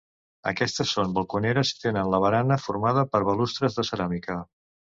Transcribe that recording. Aquestes són balconeres i tenen la barana formada per balustres de ceràmica.